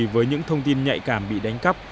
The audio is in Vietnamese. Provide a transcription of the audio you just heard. với những thông tin nhạy cảm bị đánh cắp